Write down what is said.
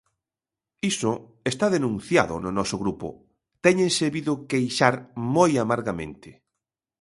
Iso está denunciado no noso grupo, téñense vido queixar moi amargamente.